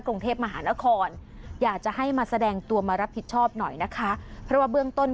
กรุงเทพมหานครอยากจะให้มาแสดงตัวมารับผิดชอบหน่อยนะคะเพราะว่าเบื้องต้น